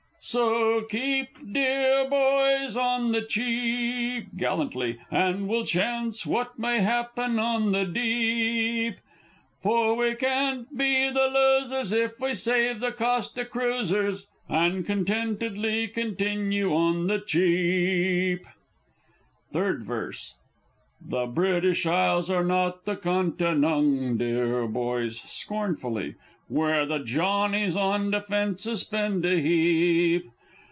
_ So keep, deah boys! On the Cheap, (Gallantly.) And we'll chance what may happen on the deep! For we can't be the losers if we save the cost o' cruisers, And contentedly continue On the Cheap! Third Verse. The British Isles are not the Conti nong, deah boys! (Scornfully.) Where the Johnnies on defences spend a heap.